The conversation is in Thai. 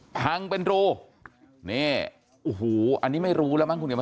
พังเป็นรูนี่อูหูอันนี้ไม่รู้แล้วมั้งคุณหนูค่ะ